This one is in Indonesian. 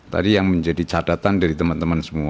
tadi yang menjadi cadatan dari teman teman